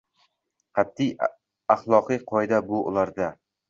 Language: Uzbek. Qat’iy ahloqiy qoida bu ularda.